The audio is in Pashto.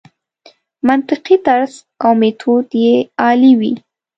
منطقي طرز او میتود یې عالي وي.